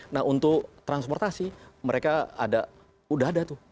nah untuk transportasi mereka ada udah ada tuh